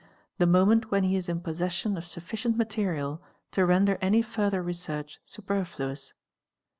the moment when he is in possession of ufficient material to render any further research superfluous.